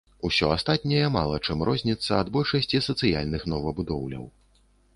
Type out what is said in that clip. Усё астатняе мала чым розніцца ад большасці сацыяльных новабудоўляў.